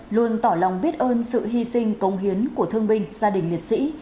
luôn tỏ lòng biết ơn sự hy sinh công hiến của thương binh gia đình liệt sĩ